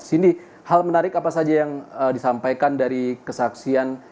cindy hal menarik apa saja yang disampaikan dari kesaksian